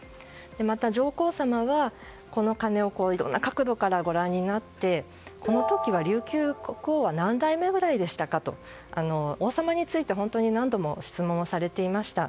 また上皇さまはこの鐘をいろんな角度からご覧になってこの時は琉球国王は何代目くらいでしたかと王様について本当に何度も質問されていました。